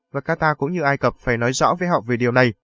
và qatar cũng như ai cập phải nói rõ với họ về điều này